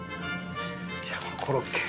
いやこのコロッケ。